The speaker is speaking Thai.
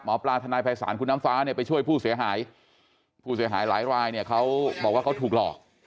หมอปลาทนภัยศาลคุณน้ำแซวไปช่วยผู้เสียหายผู้เสียหายหลายเขาบอกว่าเขาถูกหลอก